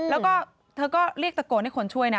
แล้วก็เธอก็เรียกตะโกนให้คนช่วยนะ